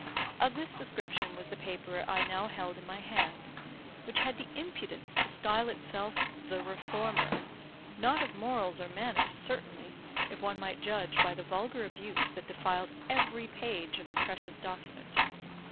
Of this description was the paper I now held in my hand, which had the impudence to style itself the Reformer not of morals or manners, certainly, if one might judge by the vulgar abuse that defiled every page of the precious document.